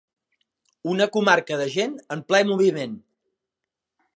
Una comarca de gent en ple moviment.